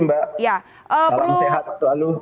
terima kasih mbak salam sehat selalu